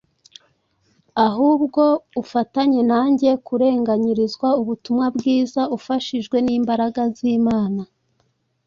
Ahubwo ufatanye nanjye kurenganyirizwa ubutumwa bwiza, ufashijwe n’imbaraga z’Imana.